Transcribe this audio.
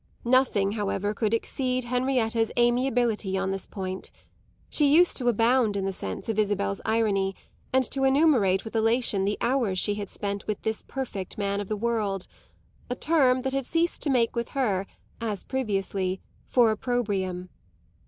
Nothing, however, could exceed Henrietta's amiability on this point; she used to abound in the sense of Isabel's irony and to enumerate with elation the hours she had spent with this perfect man of the world a term that had ceased to make with her, as previously, for opprobrium.